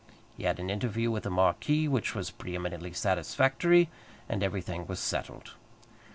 He had an interview with the marquis, which was pre eminently satisfactory, and everything was settled.